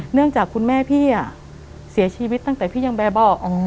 จากคุณแม่พี่เสียชีวิตตั้งแต่พี่ยังแบบบอก